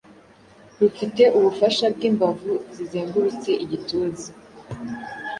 rufite ubufasha bw’imbavu zizengurutse igituza.